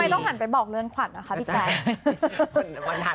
ทำไมต้องหันไปบอกเรื่องขวัดอ่ะครับพี่แกล่ม